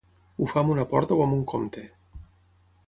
Ho fa amb una porta o amb un compte.